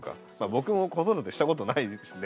僕も子育てしたことないんで。